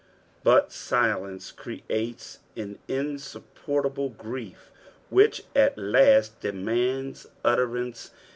But silence creoies on insapportabU grief, icAicA at last demands fMtranee.